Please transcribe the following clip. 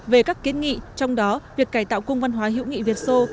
về các kiến nghị trong đó việc cải tạo cung văn hóa hữu nghị việt sô